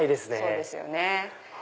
そうですよね。